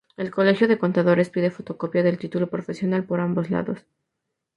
El Colegio de Contadores pide fotocopia del título profesional por ambos lados.